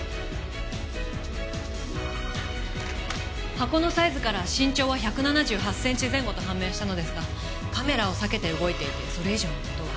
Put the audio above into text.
箱のサイズから身長は１７８センチ前後と判明したのですがカメラを避けて動いていてそれ以上の事は。